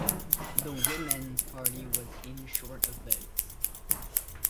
The Women's Party was in short of votes.